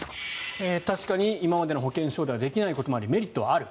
確かに今までの保険証ではできないこともありメリットはある。